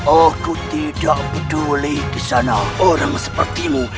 aku tidak peduli kesana orang sepertimu